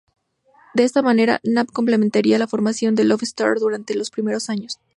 De esta manera, Nab completaría la formación de Lone Star durante los primeros años.